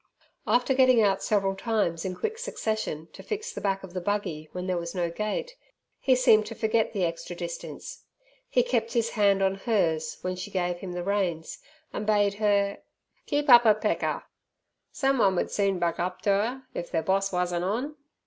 After getting out several times in quick succession to fix the back of the buggy when there was no gate, he seemed to forget the extra distance. He kept his hand on hers when she gave him the reins, and bade her "keep up 'er pecker". "Someone would soon buck up ter 'er if their boss wusn't on."